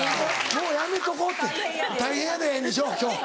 もうやめとこうって「大変やデー」にしよう今日。